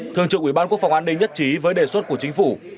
thường trực ủy ban quốc phòng an ninh nhất trí với đề xuất của chính phủ